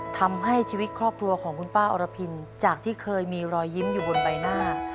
ทำให้ชีวิตครอบครัวของคุณป้าอรพินจากที่เคยมีรอยยิ้มอยู่บนใบหน้า